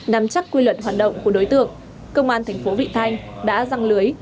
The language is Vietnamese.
nằm chắc quy luật hoạt động của đối tượng công an tp vịnh thanh đã răng lưới